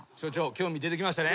興味出てきましたね？